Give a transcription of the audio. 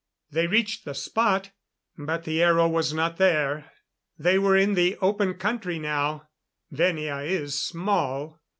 They reached the spot but the aero was not there. They were in the open country now Venia is small.